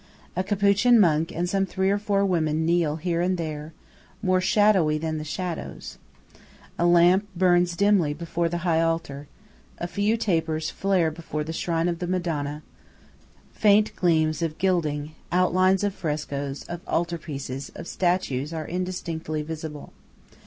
A Capuchin monk and some three or four women kneel here and there, more shadowy than the shadows. A lamp burns dimly before the high altar–a few tapers flare before the shrine of the Madonna–faint gleams of gilding, outlines of frescoes, of altar pieces, of statues, are indistinctly visible.